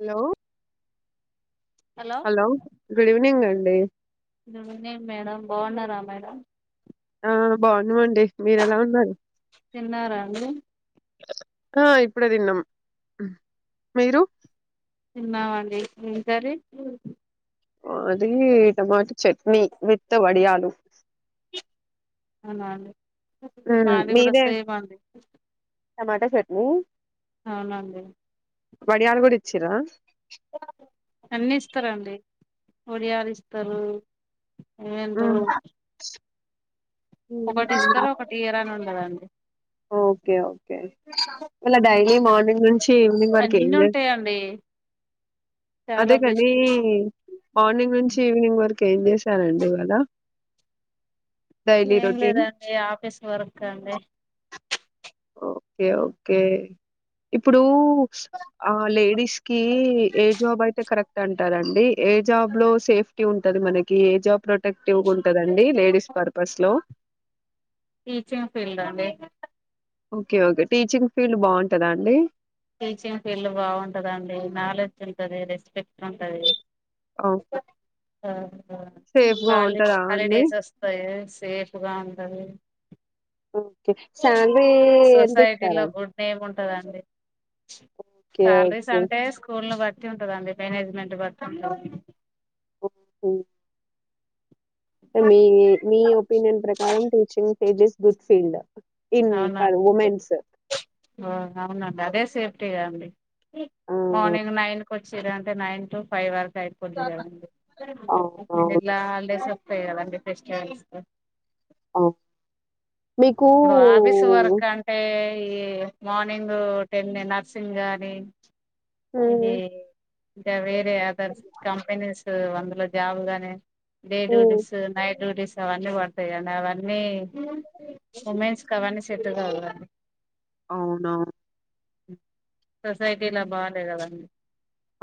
Hello hello good evening అండి good evening madam బాగున్నారా madam ఆ బాగునమండి మీర ఎలా ఉన్నారు తిన్నారా అండి ఆ ఇప్పుడే తిన్నాం మీరు తన్నామండి ఏం కర్రి మాది టమాటో చట్నీ విత్ వడియాలు అవునా అండి మ్మ్ మాది కూడా మీదే సేమ్ అండి టమాటా చట్నీ అవునండి వడియాలు కూడా ఇచ్చిరా అన్ని ఇస్తారుండి ఒడియాలు ఇస్తారు ఏంటో ఒకటి ఇస్తారు ఒకటి ఇయరా అని ఉండదండి ఓకే ఓకే మల్ల డైలీ మార్నింగ్ నుంచి ఈవినింగ్ వరకు ఏం చెస్ ఏ అదే కాని మార్నింగ్ నుంచి ఈవినింగ్ వరకు ఇకేం చేశారండి ఇవాళ డైలీ ఏం రొటీన్ లేదండి ఆఫీస్ వర్క్ అండి ఓకే ఓకే ఇప్పుడు ఆ లేడీస్ కి ఏ జాబ్ అయితే కరెక్ట్ అంటారండి ఏ జాబ్ లో సేఫ్టీ ఉంటది మనకి ఏ జాబ్ ప్రొటెక్టివ్ ఉంటదండి లేడీస్ పర్పస్ లో టీచింగ్ ఫీల్డ్ అండి ఓకే ఓకే టీచింగ్ ఫీల్డ్ బాగుంటదా అండి టీచింగ్ ఫీల్డ్ బాగుంటదండి నాలెడ్జ్ ఉంటంది రెస్పెక్ట్ ఉంటది అవునా సేఫ్ గా హాల ఉంటదా అండి హాలిడేస్ వస్తాయ్ సఫగా ఉంటది ఓకే శాలరీ ఎంత ఇస్తారా సొసైటీలో గుడ్ నేమ్ ఉం టాది అండి ఓకే సాలరీస్ ఓకే అంటే స్కూల్ ని బట్ టి ఉంటదండి మేనేజ్మెంట్ బట్టి ఓ హొ మీ మీ ఒపీనియన్ ప్రకారం teaching page is good field in for అవునఅండి ఉమెన్స్ అవున అండి అదే సేఫ్టీగా అండి ఆ మార్నింగ్ నైన్ కోవచ్చిరు అంటే నైన్ టు ఫైవ్ వరకు సైడ్ కోద్దికద అండి అవునవును ఇట్లా హాల్ డేస్ ఉంటయ్ కద అండి ఎక్స్ట్రాల్ ఇస్తా ఆ ఫ ఇప్పుడు ఆఫీస్ వర్క్ అంటే ఎ మార్నింగ్ టెన్ నర్సింగ్ గాని ఇది హ్మ్. ఇంకా వేరే అదర్ కంపెనీస్ అందులో జాబ్ గానే డే హ్మ్. డ్యూటీస్ నైట్ డ్యూటీీస్ అవన్నీ కొడతాయి కద అవ అన్ మే ఉమెన్స్ కి అవఅన్నీ సెట్టుగావు గా అవును అవు సొసైటీలో బాలేదు గాని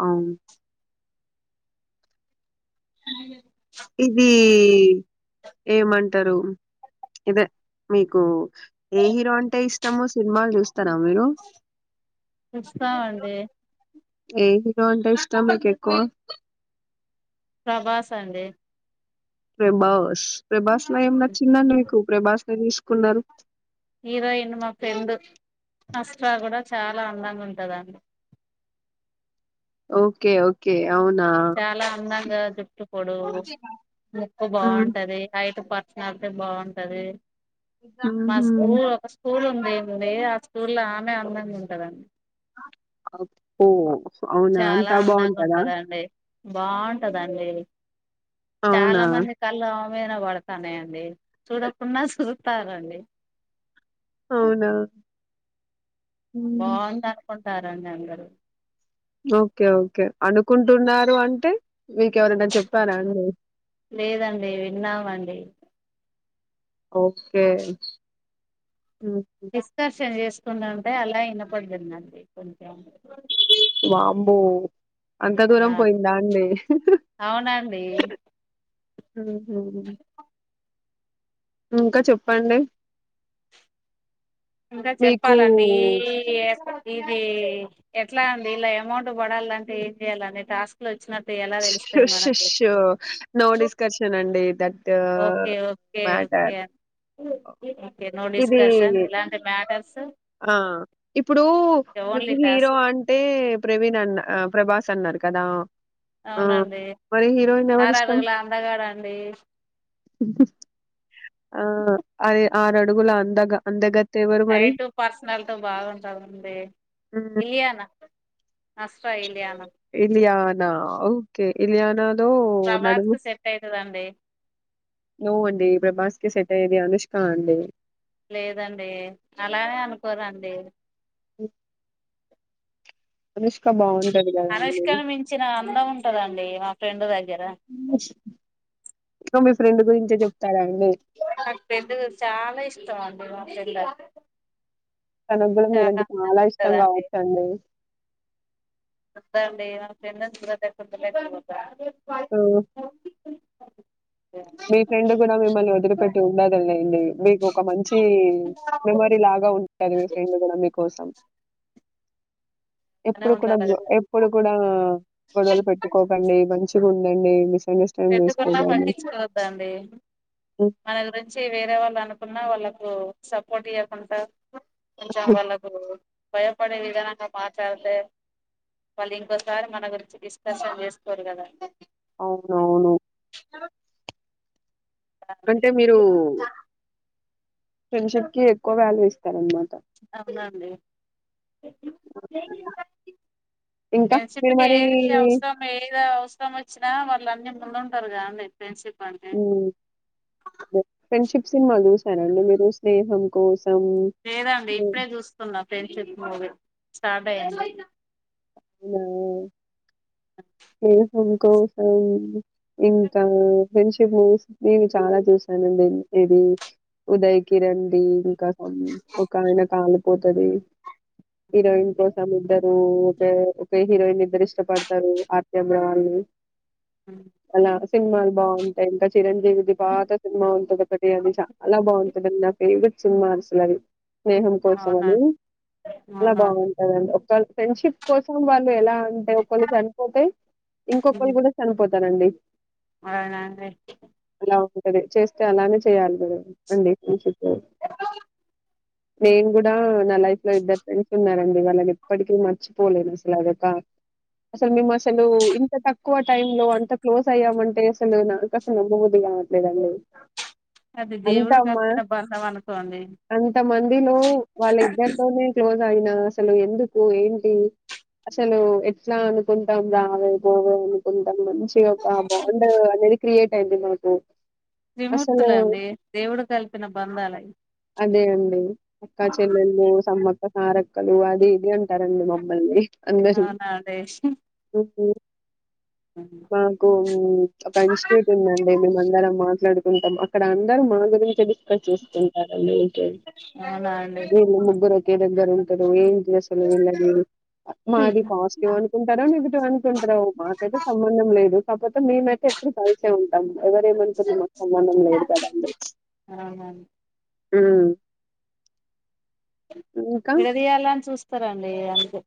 అవును ఇది ఏమ్ అంటరు ఇదే మీకు ఏ హీరో అంటే ఇష్టమో సినిమాలు చూస్తారా మీరు ఇస్తామ అండి ఏ హీరో అంటే ఇష్టమ్ మీకు ఎక్కువ ప్రభాస్ అండి ప్రేభాస్ ప్రభాస్ లో ఏం నచ్చిదం అండి మీకు ప్రభాస్ నే తీసుకుఉన్నారు హీరోయిన్ మా ఫ్రెండ్ అస్త్రాలు కూడా చాలా అందంగా ఉంటద అండి ఓకే ఓకే అవునా ఇగ జుట్టు పొడుగు ముక్కు హ్మ్. బావుంట అది అయి ప చాతే బావుంట అది మా హుహు. స్కూల్ ఒక స్కూల్ మేము లేమ్ ఆ స్కూల్ లో ఆమె అందం ఉంటద అంట అబ్బో అవునా? చాలా అంతా అందంగా బావుంటదా? ఉంటదండి బావుంటద అండి అవునా? చాలా మంది కళ్ళో మేనా పడతానేయ అండి చూడకుండా చూతార అండి అవునా హ్మ్. బావుంటారు అనుకుంటారఅండి అందరూ ఓకే ఓకే అనుకుంటు ఉన్నారు అంటే మీకే ఎవర అన్నా చెప్పారా అండి లేద అండి విన్నామ అండి కోక్కే డిస్ష్కర్షణ చేసుకుంట ఉంటే అలా వినపడుతుంద అండి కొంచెమే అంబో అంత దూరం అలా పోయిందా అండి అవునండి ఉహూ ఇంకా చెప్పఅండి ఇంకా చెప్పాల అండి ఈ ఏ ఇది ఎట్లా అండి ఇలా అమౌంట్ పడాల అంటే ఏం చెయాల అండి టాస్క్ లో వచ్చినా క్ తే ఎలా తెలుస్తది వనకు నో డిస్కషన్ అండి. That okay okay oh matter. కే నో ఇది డిస్కర్ షన్ ఇలాంటి మ్యా ఆ ఇప్పుడు మీకు ఓన్లీ హీరో టాస్క్ అంటే ప్రవీణ్ అన్న అ ప్రభాస్ అన్నారు కదా ఆ! అవున అండి మరి హీరోయిన్ ఆర్ ఎవరిష్టం? అడుగుల అందగాడ్ అండి ఆ అదే ఆర్ అడుగుల అందగ్ గ అంద గత్తే ఎవర్ మరి పిల్లల్తో బాగుంటార అండి హ్మ్. ఇలియానా అష్ట ఇలియాన్ ఇలియనా ఓకే ఇలియనా నో ప్రభాస్ నడిమి కు సెట్ అయితదండి నో అండి ప్రభాస్ కి సెట్ అయ్యేది అనుష్కా అండి లేదండి అలానే అనుకోరండి ఓ అనుష్క బావున్ అనుష్కని మించిన అందం ఉంటదండి మా ఫ్రెండ్ దగ్గర మీ ఫ్రెండ్ గుంచే చెప్ నాకు పెండు చాలా ఇష్టం అండి మా ఫ్రెండ్ తనగూడా మీరంటే చాలా ఇష్టం కావచ్చండి అంతే అండి మా ఫ్రెండ్ ని చూడలేకపోతే [inaudible] ఉ [inaudible] మీ ఫ్రెండ్ గూడా మిమ్మల్ని వదిలిపెట్టి ఉండదులేండి మీకు ఒక మంచి మెమొరీ లాగా ఉంటది మీ ఫ్రెండు గూడా మీ కోసం బానే ఎప్పుడు కూడ ఉండాలి కదా ఎప్పుడు కూడా గొడవలు పెట్టుకోకండి మంచిగుండండి అండర్స్టాండ్ చేసుకో గాడిదై దండి మన గురించి వేరే వాళ్ళు అనుకున్న వాళ్ళ సపోర్ట్ ఇయ్యకుంట కొంచెం వాళ్ళకు భయపడే విదానంగా మాట్లాడితే వాళ్ళు ఇంకోసారి మన గురించి డిస్కషన్ చేసుకోరు గదా అవునవును అంటే మీరు ఫ్రెండ్షిప్ కి ఎక్కువ వాల్యూ ఇస్తార్నమాట అవునండి ఇంకా మీరు ఫ్రెండ్షిప్కి మరీ ఏది అవసరం ఏదౌ కష్టం వచ్చినా వాళ్ళు అన్నీ ముందుంటరు గాండి మ్మ్ ఫ్రెండ్షిప్ సినిమాల్ చూసినార అండి మీరు స్నేహం కోస్ లేదాండి ఇప్పుడే చూస్తున్నా ఫ్రెండ్షిప్ మూవీ సాడే అయ్యంది ఇనౌ అ స్నేహం కోసం ఇంకా ఫ్రెండ్షిప్ మూవీస్ నేను చాలా చూసాను ఇది ఉదయ్ కిరణ్ ది ఇంకా ఒకాయన కాలిపోతది హీరోయిన్ కోసం ఇద్దరూ ఒకే హీరోయిన్నిద్దరు ఇష్టపడతరు ఆర్తి అమ్రాళి అలా సినిమాలు బాగుంటాయి ఇంకా చిరంజ్ విది బాత సినిమా ఉంటదొకటి అది చాలా బాగుంటదండి నా ఫేవరెట్ సినిమా అసలు అది స్నేహం కోసం అని అవునండి చాలా అవునండి బాగుంటదండి ఒకళ్ ఫ్రెండ్షిప్ కోసం వాళ్ళు ఎలా అంటే ఒకళ్ళు చనిపోతే ఉమ్, ఇంకొకళ్ళు కూడా చనిపోతారండి అవునండి బా ఉంటది చేస్తే అలానే చేయాలి కదా అండి నేన్ గుడా నా లైఫ్ లో ఇద్దరు ఫ్రెండ్స్ ఉన్నారండి వాళ్ళని ఎప్పటికి మర్చి పోలే నసలాదొకా అసలు మేము అసలు ఇంత తక్కువ టైంలో అంత క్లోజ్ అయ్యామంటే అసలు నాకసలు నమ్మబుద్ది కాట్లేదండి అది దేవుడు కలిపిన బంధం అనుకోండి అంత మందిలో వాళ్ళ ఇద్దరితోనే క్లోజ్ అయిన అసలు ఎందుకు ఏంటి అసలు ఎట్లా అనుకుంటాం రావే పోవే అనుకుంటాం మనం చి ఒక బాండ్ అనేది క్రియేట్ అయింది మాకు అసలు త్రిమూర్తులండి దేవుడు కలిపిన బంధాలయి అదే అండి అక్కా చెల్లెళు సమ్మక్క సారక్ క్కలు అది ఇది అంటారండి మమ్మల్ని అందరు అవునా అండి మాకు ఒక ఇన్స్టిట్యూట్ ఉందండి మేమ అందరం మాట్లాడు ఉంటాం అక్కడ అందరు మా గురించే డిస్ చేసుకుంటారండి ఇంకే అవునా అండి వీళ్ళు ముగ్గురు దగ్గరుంటరు ఏంటి అసలు వీళ్లనా మాది పాజిటివ్ అనుకుంటారో నెగిటివ్ అనుకుంటారో మాకైతే సంబంధం లేదు కాకపోతే మేమైతే ఎప్పుడు కలిసే ఎవరేమనుకున్నా మాకు సంబంధం లేదు కదండీ అవునండి ఉ విడదీయాలని అని చూస్తారండి అందు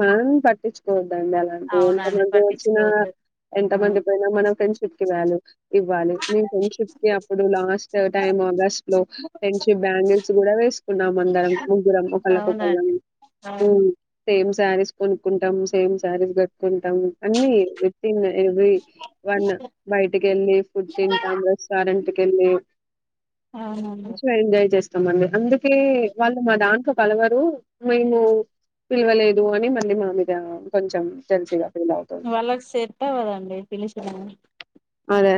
మనం పట్టించుకోవద్దండి అలాంటి అవునండి ఎంతమంది వచ్చిన పట్టించుకోవద్దు ఎంత మంది పోయినా మనం ఫ్రెండ్షిప్ కి వాల్యూ ఇవ్వాలి మీ ఫ్రెండ్షిప్ కి అప్పుడు లాస్ట్ టైం ఆగస్ట్ లో ఫ్రెండ్షిప్ బ్యాంగిల్స్ కూడా వేసుకున్నాం అందరం ముగ్గురం ఒకళ్ళకు ఒకలం ఆ సేమ్ శారీస్ కొనుక్కుంటాము సేమ్ శారీస్ కట్టుకుంటాం అన్ని విత్ ఇన్ ఎవ్రీ వన్ బయటకి వెళ్ళి ఫుడ్ తింటాం రెస్టారెంట్కి వెళ్లి అవునండి మంచిగా ఎంజాయ్ చెస్ మండి అందుకే వాళ్ళు మా దాంట్లో కలవరు మేము పిలవలేదు అని మళ్ళీ మా మీద కొంచెం జెల్సీగా వాళ్ళకి సెట్ అవ్వదండి పిలిచిన అదే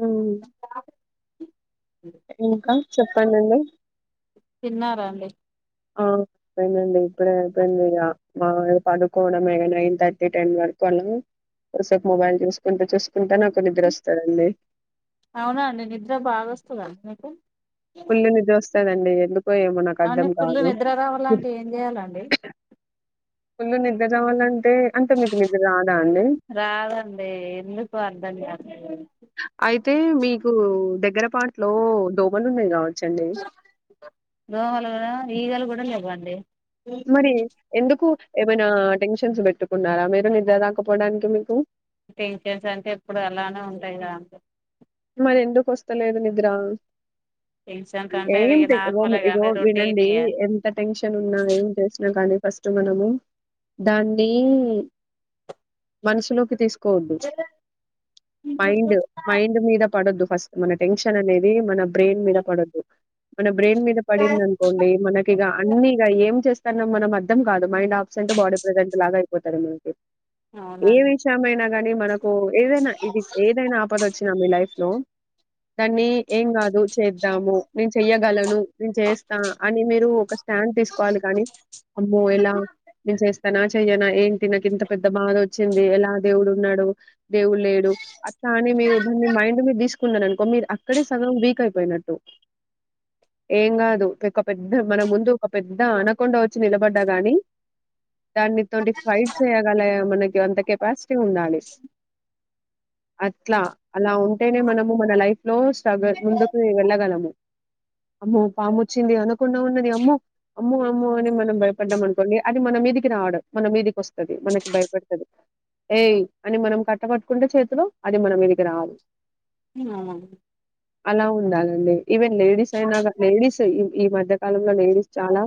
ఆ ఇంకా చెప్పండండి తిన్నారా అండి ఆ అయిందండి ఇప్పుడే అయిపోయిందండి పడుకోవడమే ఇగా నైన్ తర్టీ టెన్ వరకు కొద్దిసేపు మొబైల్ చూసుకుంటూ చూసు నాకు నిద్ర వస్తదండి అవునా అండి నిద్ర బాగొస్తుందండి మీకు ఫుల్లు నిద్ర వస్తదండి ఏమో నాకు అవును అర్థం ఫుల్లు కాదు నిద్ర రావాలంటే ఏం చేయాలండి ఫుల్లు నిద్ర రావాలం అంటే మీకు నిద్ర రాదా అండి రాదండి ఎందుకు అర్థం కాదు అయితే మీకు దగ్గరపాటులో దోమలు ఉన్నాయి కావ దోమలు ఆ ఈగలు కూడా లెవ్వండి మరి ఎందుకు ఏమైనా టెన్షన్ పెట్టుకున్నారా మీరు నిద్ర రాకపోవడానికి మీకు టెన్షన్స్ అంటే ఇప్పుడు అలానే ఉంటాయి కదా అండి మరి ఎందుకు వస్తలేదు నిద్ర టెన్షన్స్ అంటే ఏం ఇ రో నార్మలే ఇగో కానీ రొటీన్ వినండి ఇగ ఎంత టెన్షన్ ఉన్నా ఏం చేసినా కానీ ఫస్ట్ మనము దాన్ని మనసులోకి తీసు కోవద్దు మైండ్ మైండ్ మీద పడొద్దు ఫస్ట్ మన టెన్షన్ అనేది మన బ్రెయిన్ మీద పడొద్దు మన బ్రెయిన్ మీద పడింది అనుకోండి మనకి ఇగా అన్ని ఏం చేస్ తన మనం అర్థం కాదు మైండ్ ఆబ్సెంట్ బాడీ ప్రజెంట్ లాగా అయిపోతారు ఏ అవునండి విషయమైనా గాని మనకు ఏదైనా ఇది ఏదైనా ఆపద లైఫ్ లో దాన్ని ఏం కాదు చేద్దాము నేను చెయ్యగలను నేను చేస్తా అని మీరు ఒక స్టాండ్ తీసుకోవాలి గానీ అమ్మో ఎలా నేను చేస్తానా చెయ్యనా ఏంటి నాకు ఇంత పెద్ద బాధ వచ్చింది ఎలా దేవుడు ఉన్నాడు దేవుడు లేడు కానీ మీరు మీరు తీసుకున్నాను అనుకో మీరు అక్కడే సగం వీక్ అయిపోయినట్టు ఏం కాదు ఒక పెద్ద మన ముందు ఒక పెద్ద అనకొండ వచ్చి నిలబడ్డా కానీ దాన్ని ట్వంటీ ఫైవ్ చేయగల మనకి అంత కెపాసిటీ ఉండాలి అట్లా అలా ఉంటేనే మనము మన లైఫ్ లో స్ట్రగుల్ ముందుకు వెళ్ళగలము అమ్మో పాము వచ్చింది అనకుండా ఉన్నది అమ్మ అమ్మో అమ్మో అని మనం భయపడ్డామ అనుకోండి అది మనం మీదికి రావడం మన మీదికి వస్తుంది మనకి భయపెడుతుది ఏయ అని మనం కట్టబట్టుకుంటే చేతిలో అది మనం వెనికి రాదు ఉ అలా ఉండాలండి ఈవెన్ లేడీస్ అయినా లేడీస్ ఈ మధ్య కాలంలో లేడీస్ చాలా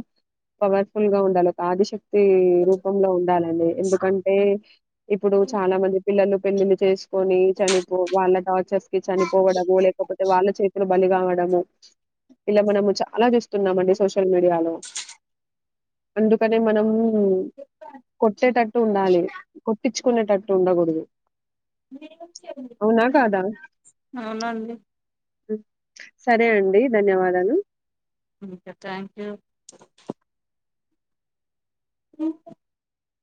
పవర్ఫుల్ గా ఉండాలి ఒక ఆదిశక్తి రూపంలో ఉండాలి ఎందుకంటే ఇప్పుడు చాలా మంది పిల్లలు పెళ్లిలి చేసుకొని చనిపో వాళ్ళ టార్చర్స్ కి చనిపోవడము లేకపోతే వాళ్ళ చేతులు బలిగావడము ఇలా మనము చాలా చూస్తున్నామండి సోషల్ మీడియాలో అందుకనే మనము కొట్టేటట్టు ఉండాలి కొట్టించుకునేటట్టు ఉండకూడదు మీ అవునా కాదా అవునండి సరే అండి ధన్యవాదాలు ఓ థ్యాంక్ యూ అ